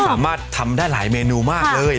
สามารถทำได้หลายเมนูมากเลย